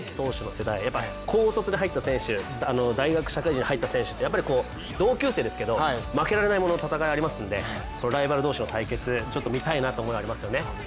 世代の高卒で入った選手、大学、社会人で入った選手、同級生ですけど、負けられない戦いがありますのでライバル同士の対決見たいなという思いがありますよね。